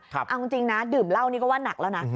เอาจริงนะดื่มเหล้านี่ก็ว่านักแล้วนะ